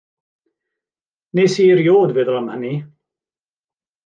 Wnes i erioed feddwl am hynny.